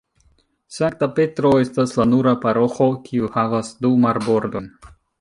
Sankta Petro estas la nura paroĥo kiu havas du marbordojn.